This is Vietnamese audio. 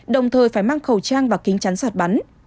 đồng thời phải mang khẩu trang và kính chắn giọt bắn